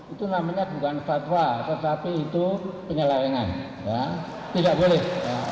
itu namanya bukan fatwa tetapi itu penyelewengan tidak boleh